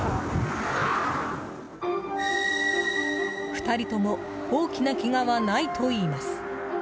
２人とも大きなけがはないといいます。